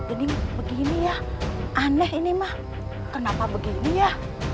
ini begini ya aneh ini mah kenapa begini ya